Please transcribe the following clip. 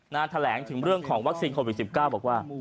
แถลงถึงเรื่องของวัคซีนโควิด๑๙บอกว่า